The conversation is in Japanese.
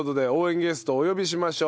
ゲストお呼びしましょう。